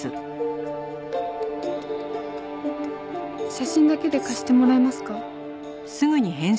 「写真だけで貸してもらえますか？」